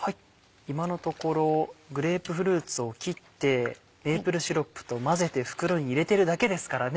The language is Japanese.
今のところグレープフルーツを切ってメープルシロップと混ぜて袋に入れてるだけですからね。